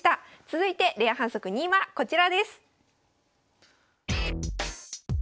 続いてレア反則２はこちらです。